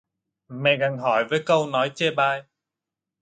Mẹ gặng hỏi với câu nói chê bai